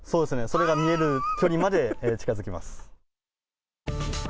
それが見える距離まで近づきます。